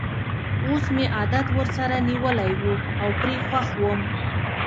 اوس مې عادت ورسره نیولی وو او پرې خوښ وم.